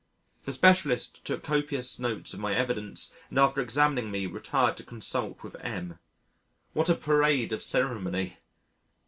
The specialist took copious notes of my evidence and after examining me retired to consult with M . What a parade of ceremony!